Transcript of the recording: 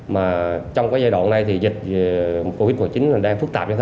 mà trong cái giai đoạn này thì dịch covid một mươi chín đang phức tạp